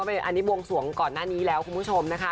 อันนี้บวงสวงก่อนหน้านี้แล้วคุณผู้ชมนะคะ